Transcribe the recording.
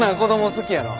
好きやわ！